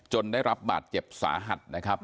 ได้รับบาดเจ็บสาหัสนะครับ